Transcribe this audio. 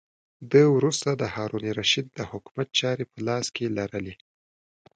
ده وروسته د هارون الرشید د حکومت چارې په لاس کې لرلې.